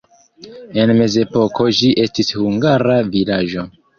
En mezepoko ĝi estis hungara vilaĝo.